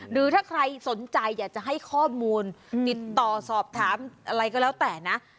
หรือถ้าใครสนใจอยากจะให้ข้อมูลติดต่อสอบถามอะไรก็แล้วแต่นะ